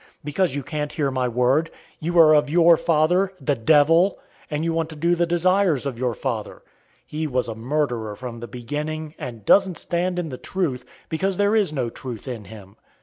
Because you can't hear my word. 008:044 You are of your father, the devil, and you want to do the desires of your father. He was a murderer from the beginning, and doesn't stand in the truth, because there is no truth in him.